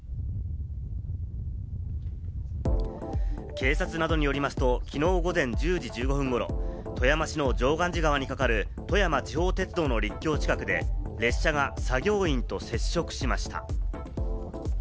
警察などによりますと昨日午前１０時１５分頃、富山市の常願寺川にかかる富山地方鉄道の陸橋近くで、列車が作業員と接触しました。